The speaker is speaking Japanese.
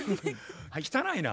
汚いな。